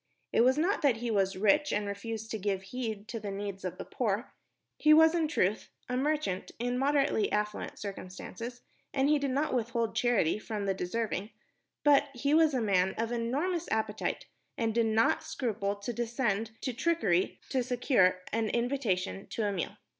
It was not that he was rich and refused to give heed to the needs of the poor. He was, in truth, a merchant in moderately affluent circumstances, and he did not withhold charity from the deserving; but he was a man of enormous appetite and did not scruple to descend to trickery to secure an invitation to a meal.